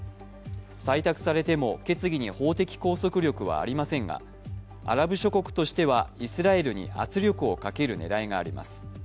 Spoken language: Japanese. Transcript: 採択されても、決議に法的拘束力はありませんがアラブ諸国としてはイスラエルに圧力をかける狙いがあります。